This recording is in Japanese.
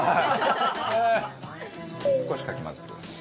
少しかき混ぜてください。